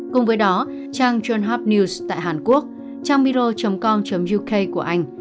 cùng với đó trang trunhub news tại hàn quốc trang miro com uk của anh